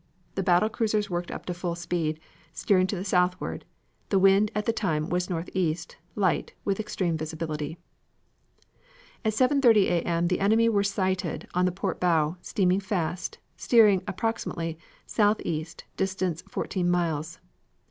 The battle cruisers worked up to full speed, steering to the southward; the wind at the time was northeast, light, with extreme visibility. "At 7.30 A. M. the enemy were sighted on the port bow, steaming fast, steering approximately southeast, distance fourteen miles.